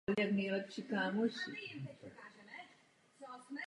Představuje sociální Evropa pro francouzské předsednictví prioritu?